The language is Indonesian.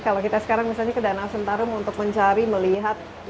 kalau kita sekarang misalnya ke danau sentarum untuk mencari melihat